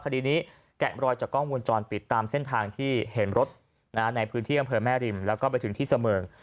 คดีนี้แกะรอยจากกล้องวงจรปิดตามเส้นทางที่เห็นรถในพื้นที่อำเภอแม่ริมแล้วก็ไปถึงที่เสมิง